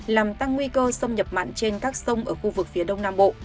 làm tăng nguy cơ xâm nhập mặn trên các sông ở khu vực phía đông nam bộ